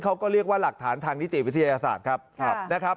เขาก็เรียกว่าหลักฐานทางนิติวิทยาศาสตร์ครับนะครับ